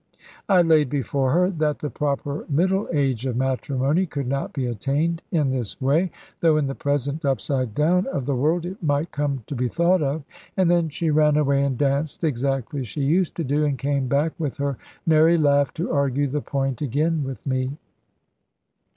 I laid before her that the proper middle age of matrimony could not be attained in this way; though in the present upside down of the world it might come to be thought of. And then she ran away and danced (exactly as she used to do), and came back with her merry laugh to argue the point again with me.